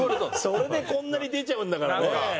それでこんなに出ちゃうんだからね。